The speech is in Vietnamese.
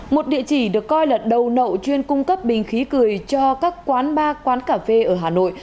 một địa chỉ được coi là đầu nậu chuyên cung cấp bình khí cười cho các quán bar quán cà phê ở hà nội